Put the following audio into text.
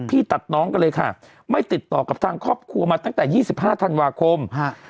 พี่ตัดน้องกันเลยค่ะไม่ติดต่อกับทางครอบครัวมาตั้งแต่๒๕ธันวาคม